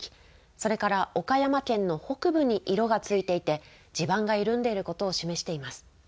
それから岡山県の北部に色がついていて地盤が緩んでいることを示しています。